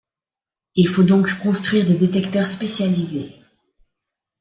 Il faut donc construire des détecteurs spécialisés.